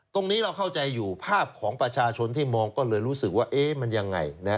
ตรงนี้เราเข้าใจอยู่ภาพของประชาชนที่มองก็เลยรู้สึกว่ามันยังไง